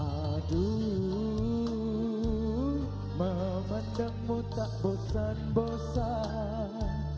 aduh memandangmu tak bosan bosan